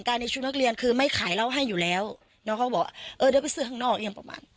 เอามากอีกอย่างประมาณนี้